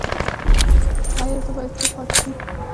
ایا زه باید چوپ پاتې شم؟